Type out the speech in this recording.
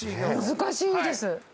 難しいです。